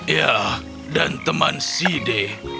ya dan teman side